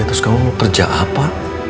terus kamu kerja apa